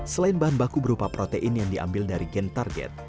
selain bahan baku berupa protein yang diambil dari gen target